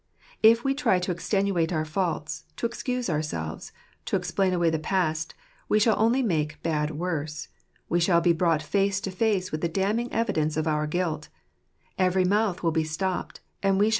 If we try to extenuate our faults, to excuse ourselves, to explain away the past, we shall only make bad worse : we shall be brought face to face with the damning evidence of our guilt; every mouth will be stopped; and we shall.